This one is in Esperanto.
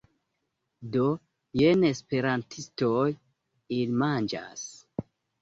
Do, jen esperantistoj... ili manĝas...